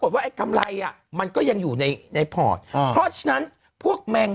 อึกอึกอึกอึกอึกอึก